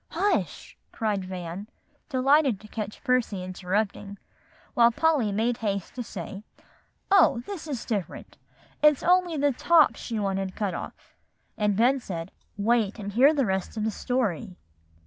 "Hush!" cried Van, delighted to catch Percy interrupting, while Polly made haste to say, "Oh! this is different. It's only the tops she wanted cut off;" and Ben said, "Wait, and hear the rest of the story."